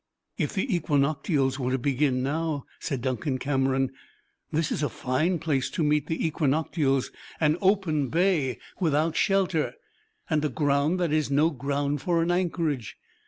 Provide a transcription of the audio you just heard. "If the equinoctials were to begin now," said Duncan Cameron, "this is a fine place to meet the equinoctials! An open bay, without shelter; and a ground that is no ground for an anchorage.